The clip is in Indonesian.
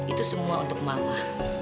itu semua untuk mama